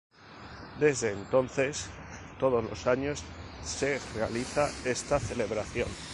Desde entonces, todos los años se realiza esta celebración.